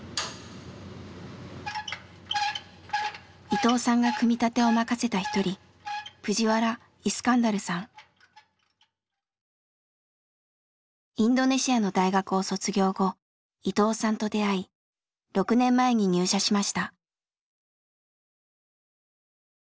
伊藤さんが組み立てを任せた一人インドネシアの大学を卒業後伊藤さんと出会い６年前に入社しました。